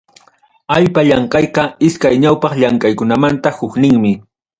Allpa llamkayqa iskay ñawpaq llamkaykunamanta hukninmi.